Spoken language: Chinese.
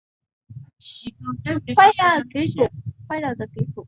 大洋珍灯鱼为辐鳍鱼纲灯笼鱼目灯笼鱼科的其中一种。